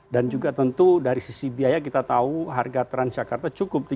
dan juga tentu dari sisi biaya kita tahu harga transjakarta cukup